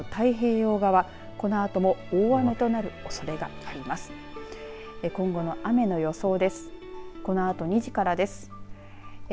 今後の雨の予想です。